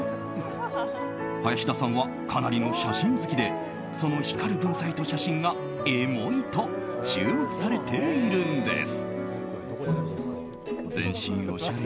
林田さんは、かなりの写真好きでその光る文才と写真がエモいと注目されているんです。